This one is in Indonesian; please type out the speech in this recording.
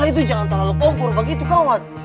ala itu jangan terlalu kompor begitu kawan